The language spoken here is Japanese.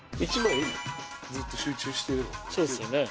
１枚ずっと集中してるの。